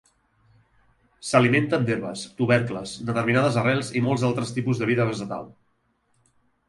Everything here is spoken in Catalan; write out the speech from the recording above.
S'alimenten d'herbes, tubercles, determinades arrels i molts altres tipus de vida vegetal.